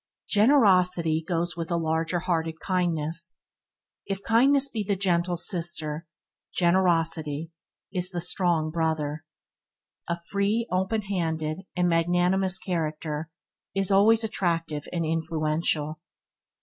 Generosity goes with a larger hearted kindness. If kindness be the gentle sister, Generosity is the strong brother. A free, open handed, and magnanimous character is always attractive and influential.